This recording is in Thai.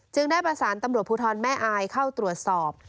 จึงได้ประสานตำบลท่าพูดทอนแม่อายเข้าตรวจสอบ